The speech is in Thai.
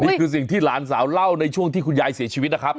นี่คือสิ่งที่หลานสาวเล่าในช่วงที่คุณยายเสียชีวิตนะครับ